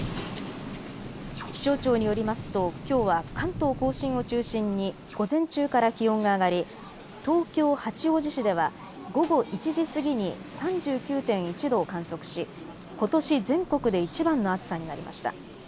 気象庁によりますときょうは関東甲信を中心に午前中から気温が上がり東京八王子市では午後１時過ぎに３９．１度を観測し、ことし全国でいちばんの暑さになりました。